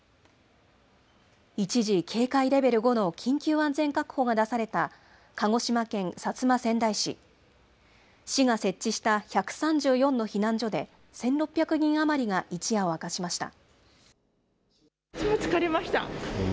一時、警戒レベル５の緊急安全確保が出された鹿児島県薩摩川内市、市が設置した１３４の避難所で１６００人余りが一夜を明かしました。